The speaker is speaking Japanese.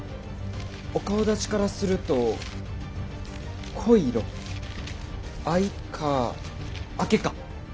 お顔だちからすると濃い色藍か緋か。